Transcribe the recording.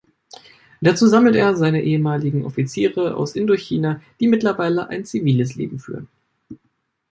Dazu sammelt er seine ehemaligen Offiziere aus Indochina, die mittlerweile ein ziviles Leben führen.